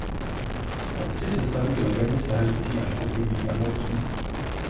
K obci se stahují legendy sahající až k období karlovců.